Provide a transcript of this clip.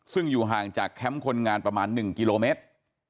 ซึ่งอยู่ห่างจากแคมป์คนงานประมาณ๑กิโลเมตร